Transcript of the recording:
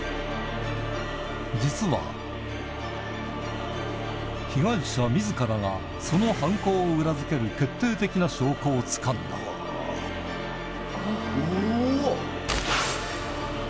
実は被害者自らがその犯行を裏付ける決定的な証拠をつかんだうお！